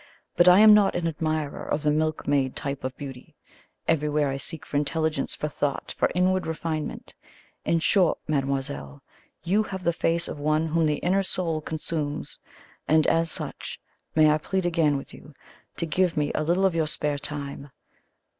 But I am not an admirer of the milkmaid type of beauty. Everywhere I seek for intelligence, for thought, for inward refinement in short, mademoiselle, you have the face of one whom the inner soul consumes, and, as such, may I plead again with you to give me a little of your spare time?